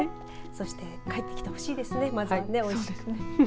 そして、帰ってきてほしいですねおいしく。